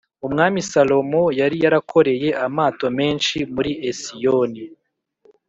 Umwami Salomo yari yarakoreye amato menshi muri Esiyoni .